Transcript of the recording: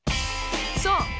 そう！